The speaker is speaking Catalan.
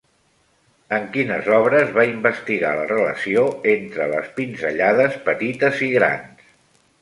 En quines obres va investigar la relació entre les pinzellades petites i grans?